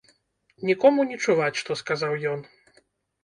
Нікому не чуваць, што сказаў ён.